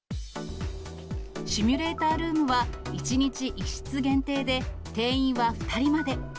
シミュレータールームは１日１室限定で、定員は２人まで。